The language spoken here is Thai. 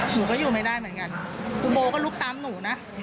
หนูก็อยู่ไม่ได้เหมือนกันคุณโบก็ลุกตามหนูนะ